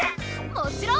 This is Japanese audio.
もちろん。